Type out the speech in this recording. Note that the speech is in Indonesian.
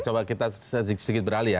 coba kita sedikit beralih ya